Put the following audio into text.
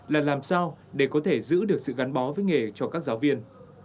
là làm sao để có thể giữ được sự gắn bó với nghề cho các giáo viên